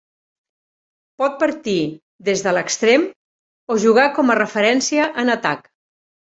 Pot partir des de l'extrem o jugar com a referència en atac.